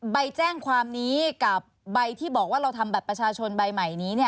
ใบแจ้งความนี้กับใบที่บอกว่าเราทำบัตรประชาชนใบใหม่นี้